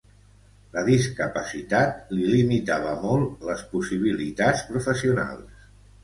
La discapacitat li limitava molt les possibilitats professionals.